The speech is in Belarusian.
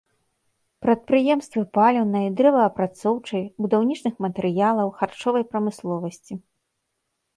Прадпрыемствы паліўнай, дрэваапрацоўчай, будаўнічых матэрыялаў, харчовай прамысловасці.